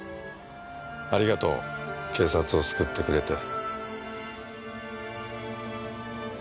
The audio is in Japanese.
ありがとう警察を救ってくれて。